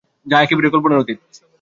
যা একেবারেই কল্পনার অতীত!